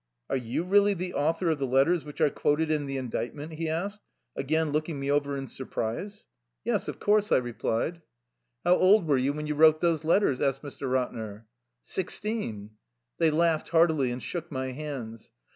Are you really the author of the letters which are quoted in the indictment? " he asked, again looking me over in surprise. "Yes, of course," I replied. 78 THE LIFE STORY OF A RUSSIAN EXILE ^^How old were you when you wrote those letters?'' asked Mr. Ratner. " Sixteen.'' They laughed heartily, and shook my hands.